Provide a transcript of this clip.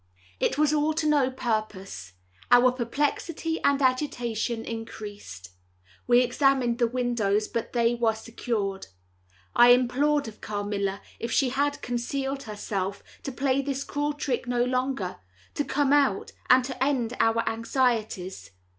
It was all to no purpose. Our perplexity and agitation increased. We examined the windows, but they were secured. I implored of Carmilla, if she had concealed herself, to play this cruel trick no longer—to come out and to end our anxieties.